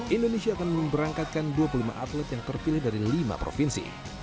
indonesia akan memberangkatkan dua puluh lima atlet yang terpilih dari lima provinsi